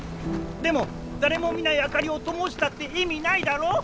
でも誰も見ない明かりをともしたって意味ないだろ？